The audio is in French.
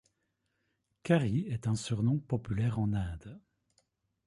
Kari est surnom populaire en Inde.